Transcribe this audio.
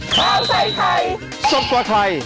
คราวใส่ไทยสดกว่าใคร